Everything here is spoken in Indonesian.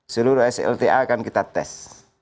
seluruh slta akan kita tes